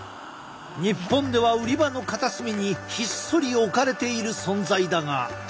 日本では売り場の片隅にひっそり置かれている存在だが。